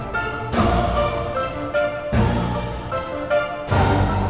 terus ngapain lu di penting kaca